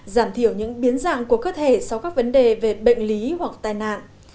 giảm thiểu những biến dạng của cơ thể sau các vấn đề về bệnh lý hoặc tai nạn